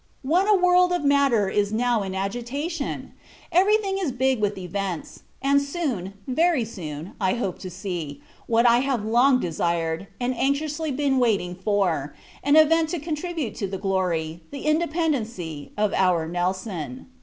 What a world of matter is now in agitation! Every thing is big with events; and soon, very soon, I hope to see what I have long desired, and anxiously [been] waiting for an event to contribute to the glory, the independency, of our Nelson.